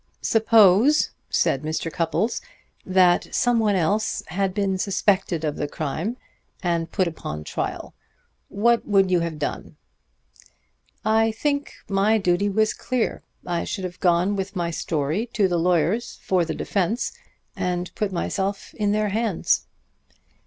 "Suppose," said Mr. Cupples, "that someone else had been suspected of the crime and put upon trial. What would you have done?" "I think my duty was clear. I should have gone with my story to the lawyers for the defense, and put myself in their hands."